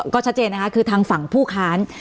ก็ชัดเจนนะคะคือทางฝั่งผู้ค้าน